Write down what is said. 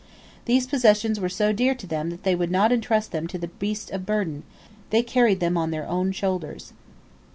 These possessions were so dear to them that they would not entrust them to the beasts of burden, they carried them on their own shoulders.